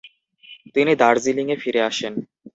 তিনি দার্জিলিংয়ে ফিরে আসেন।